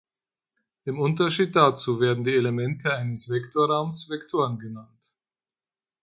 Im Unterschied dazu werden die Elemente eines Vektorraumes Vektoren genannt.